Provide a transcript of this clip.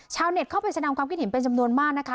เน็ตเข้าไปแสดงความคิดเห็นเป็นจำนวนมากนะคะ